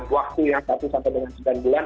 waktu yang satu sampai dengan sembilan bulan